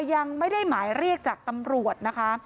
ยังไม่ได้หมายเรียกจากตำรวจนะคะ